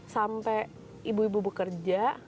sampai ibu ibu bekerja